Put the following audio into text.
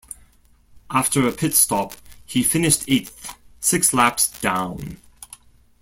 After a pit stop, he finished eighth, six laps down.